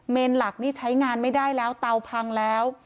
หลักนี่ใช้งานไม่ได้แล้วเตาพังแล้ว